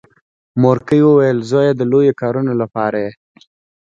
مورکۍ ویل زويه د لويو کارونو لپاره یې.